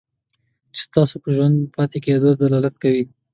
چې ستاسو په ژوندي پاتې کېدلو دلالت کوي.